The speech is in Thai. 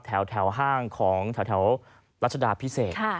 ห้างของแถวรัชดาพิเศษ